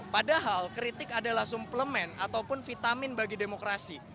padahal kritik adalah sumplemen ataupun vitamin bagi demokrasi